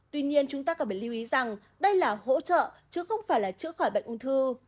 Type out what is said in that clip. tuy nhiên chúng ta cần phải lưu ý rằng đây là hỗ trợ chứ không phải là chữa khỏi bệnh ung thư